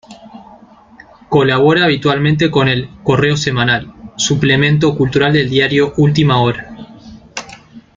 Colabora habitualmente con el "Correo Semanal", suplemento cultural del diario Última Hora.